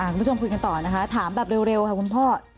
คุณผู้ชมคุยกันต่อนะคะถามแบบเร็วค่ะคุณพ่อ